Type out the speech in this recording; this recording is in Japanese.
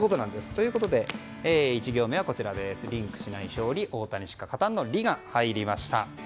ということで１行目はリンクしない勝利大谷しか勝たんの「リ」が入りました。